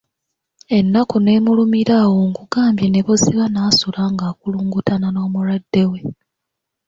Ennaku ne mulumira awo nkugambye ne buziba n’asula nga akulungutana n’omulwadde we.